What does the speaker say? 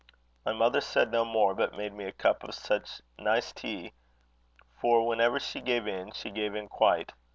My mother said no more, but made me a cup of such nice tea; for whenever she gave in, she gave in quite.